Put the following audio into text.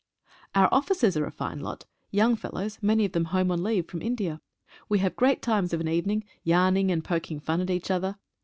Our officers are a fine lot — young fellows— many of them home on leave from India. We have great times of an evening, yarning and poking fun at each other.